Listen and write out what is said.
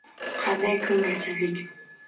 Qanday ko'ngilsizlik!